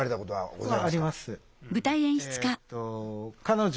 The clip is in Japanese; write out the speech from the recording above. あります。